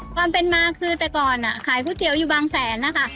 ความเป็นมาคือแต่ก่อนขายก๋วยเตี๋ยวอยู่บางแสนนะคะ